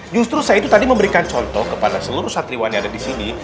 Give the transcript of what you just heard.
justru saya tadi itu memberikan contoh kepada seluruh satriwan yang ada disini